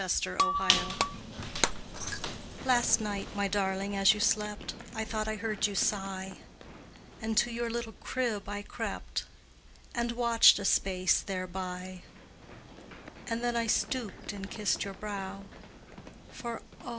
SOME TIME Last night, my darling, as you slept, I thought I heard you sigh, And to your little crib I crept, And watched a space thereby; And then I stooped and kissed your brow, For oh!